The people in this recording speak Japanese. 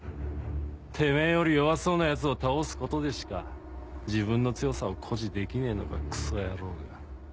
てめぇより弱そうなヤツを倒すことでしか自分の強さを誇示できねえのかクソ野郎が。